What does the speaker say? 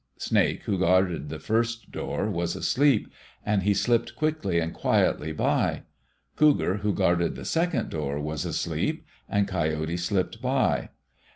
Snake, who guarded the first door, was asleep, and he slipped quickly and quietly by. Cougar, who guarded the second door, was asleep, and Coyote slipped by.